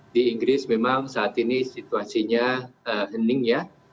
di inggris memang saat ini situasinya hening ya